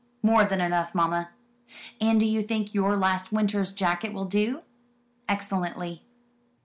"More than enough, mamma." "And do you think your last winter's jacket will do?" "Excellently."